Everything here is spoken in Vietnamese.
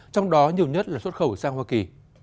trong đó nhiều nhất là xuất khẩu sang hoa kỳ